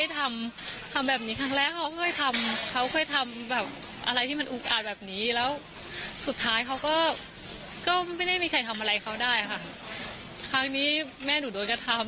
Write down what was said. ทำอะไรเขาได้ค่ะครั้งนี้แม่หนูโดนกระทำ